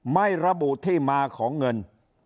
ไม่ระบุที่มาของเงิน